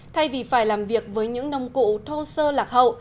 thay vì phải làm việc với những nông cụ thô sơ lạc hậu